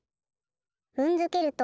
ふんづけると。